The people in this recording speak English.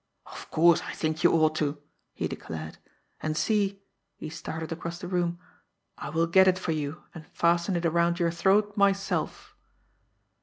"Of course, I think you ought to!" he declared. "And see" he started across the room "I will get it for you, and fasten it around your throat myself."